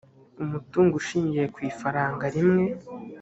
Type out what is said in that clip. umutungo ushingiye kw ifaranga rimwe